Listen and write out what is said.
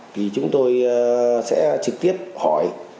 thì chúng tôi sẽ trực tiếp hỏi